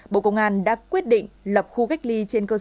bộ công an đã quyết định lập khu cách ly trên cơ sở